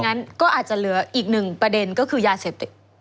งั้นก็อาจจะเหลืออีกหนึ่งประเด็นก็คือยาเสพติด